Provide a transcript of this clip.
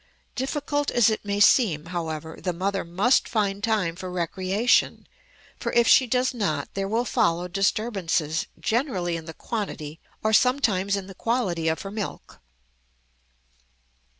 Difficult as it may seem, however, the mother must find time for recreation, for if she does not there will follow disturbances, generally in the quantity, or sometimes in the quality, of her milk.